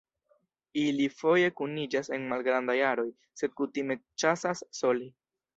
Ili foje kuniĝas en malgrandaj aroj sed kutime ĉasas sole.